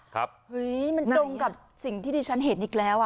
เฮ้ยมันตรงกับสิ่งที่ดิฉันเห็นอีกแล้วอ่ะ